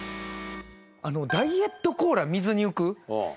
あのダイエットコーラ水に浮く。